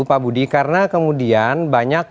pak budi karena kemudian banyak